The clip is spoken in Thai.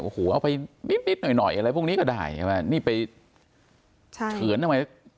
โอ้โหเอาไปนิดนิดหน่อยหน่อยอะไรพวกนี้ก็ได้ใช่ไหมนี่ไปเฉือนทำไม